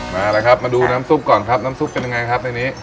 มาแล้วครับมาดูน้ำซุปก่อนครับน้ำซุปเป็นยังไงครับในนี้